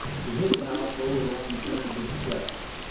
To his house Oleron turned his steps.